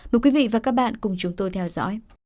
mời quý vị và các bạn cùng chúng tôi theo dõi